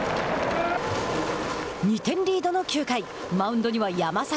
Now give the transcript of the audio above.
２点リードの９回マウンドには山崎。